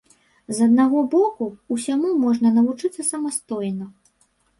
З аднаго боку, усяму можна навучыцца самастойна.